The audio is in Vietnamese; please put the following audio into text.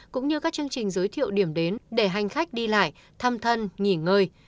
cũng như các chương trình giới thiệu điểm đến để hành khách đi lại thăm thân nghỉ ngơi